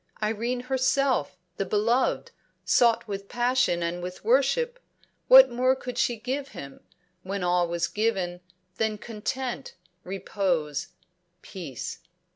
Irene herself, the beloved, sought with passion and with worship, what more could she give him, when all was given, than content, repose, peace?